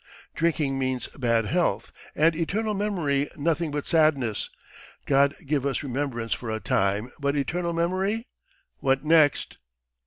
"Drinking means bad health, and eternal memory nothing but sadness. God give us remembrance for a time, but eternal memory what next!"